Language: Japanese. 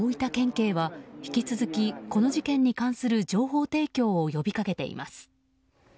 警は引き続きこの事件に関する情報提供を呼び掛けています。